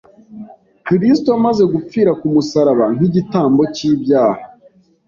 Kristo amaze gupfira ku musaraba nk’igitambo cy’ibyaha,